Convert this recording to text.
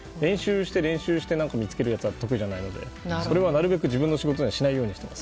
練習して見つけるようなものは得意じゃないのでそれはなるべく自分の仕事にはしないようにしています。